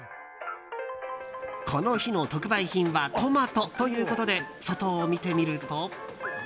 この日の特売品はトマトということで外を見てみると。